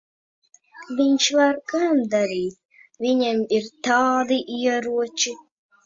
Viņš var gan darīt. Viņam ir tādi ieroči.